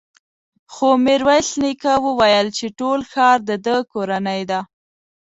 خو ميرويس نيکه وويل چې ټول ښار د ده کورنۍ ده.